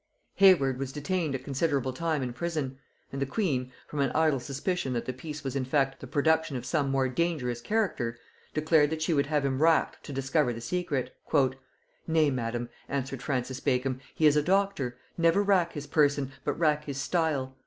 Hayward was detained a considerable time in prison; and the queen, from an idle suspicion that the piece was in fact the production of some more dangerous character, declared that she would have him racked to discover the secret. "Nay, Madam," answered Francis Bacon, "he is a Doctor; never rack his person, but rack his style.